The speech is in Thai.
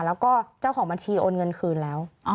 แล้วก็เจ้าของบัญชีโอนเงินคืนแล้ว